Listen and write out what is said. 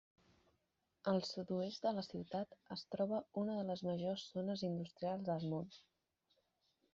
Al sud-oest de la ciutat es troba una de les majors zones industrials del món.